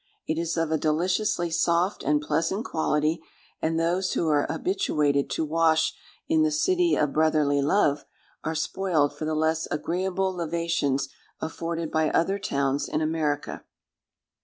It is of a deliciously soft and pleasant quality; and those who are habituated to wash in the "city of brotherly love," are spoiled for the less agreeable lavations afforded by other towns in America.